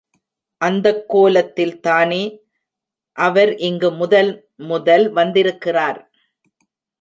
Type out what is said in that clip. அந்தக் கோலத்தில்தானே அவர் இங்கு முதல் முதல் வந்திருக்கிறார்.